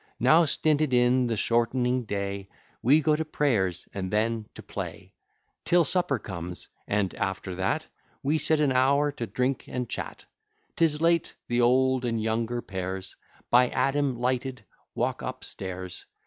Now stinted in the shortening day, We go to prayers and then to play, Till supper comes; and after that We sit an hour to drink and chat. 'Tis late the old and younger pairs, By Adam lighted, walk up stairs.